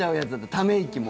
ため息も。